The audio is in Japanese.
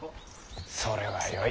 それはよい。